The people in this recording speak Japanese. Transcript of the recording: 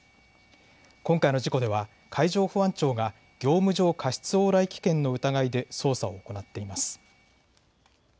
今回の事故では海上保安庁が業務上過失往来危険の疑いで捜査を行っています。